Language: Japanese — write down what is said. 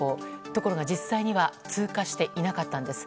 ところが実際には通過していなかったんです。